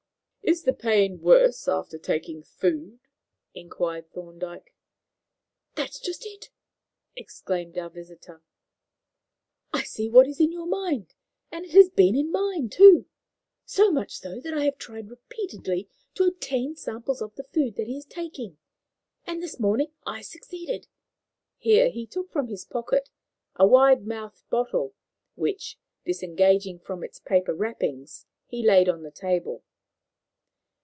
"Is the pain worse after taking food?" inquired Thorndyke. "That's just it!" exclaimed our visitor. "I see what is in your mind, and it has been in mine, too; so much so that I have tried repeatedly to obtain samples of the food that he is taking. And this morning I succeeded." Here he took from his pocket a wide mouthed bottle, which, disengaging from its paper wrappings, he laid on the table.